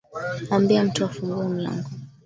Ambia mtu afungue mlango huo